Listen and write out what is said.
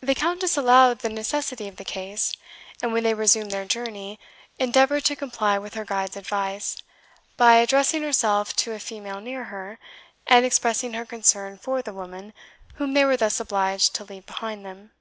The Countess allowed the necessity of the case, and when they resumed their journey, endeavoured to comply with her guide's advice, by addressing herself to a female near her, and expressing her concern for the woman whom they were thus obliged to leave behind them.